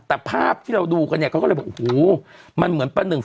แต่ภาพที่เราดูกันเนี่ยเขาก็เลยบอกโอ้โหมันเหมือนประหนึ่ง